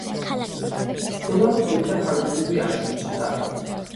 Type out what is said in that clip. ბრძოლა რთული და ხანგრძლივი აღმოჩნდა.